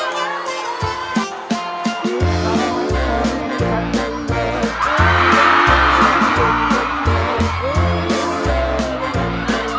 ขอให้พี่นำมา๓หรือ๘มุมพลังหรือหัวไทย